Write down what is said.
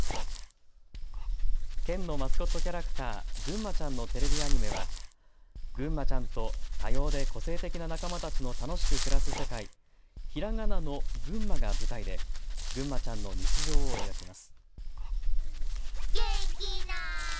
県のマスコットキャラクター、ぐんまちゃんのテレビアニメはぐんまちゃんと多様で個性的な仲間たちの楽しく暮らす世界、ひらがなのぐんまが舞台でぐんまちゃんの日常を描きます。